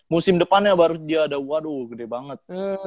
musim depannya baru dia ada waduh gede banget